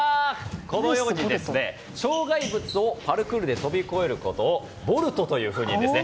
このように、障害物をパルクールで飛び越えることをヴォルトというふうに言うんです。